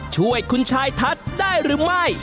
ช่วยคุณชายทัศน์ได้หรือไม่